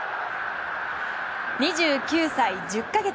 ２９歳１０か月。